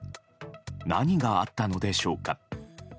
何があったのでしょうか。